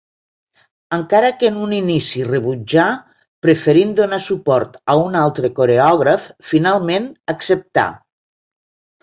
Encara que en un inici rebutjà, preferint donar suport a un altre coreògraf, finalment acceptà.